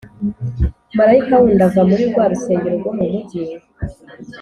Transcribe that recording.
Marayika wundi ava muri rwa rusengero rwo mu mugi